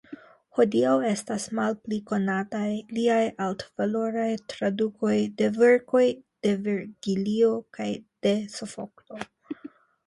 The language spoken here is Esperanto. Hodiaŭ estas malpli konataj liaj altvaloraj tradukoj de verkoj de Vergilio kaj de Sofoklo.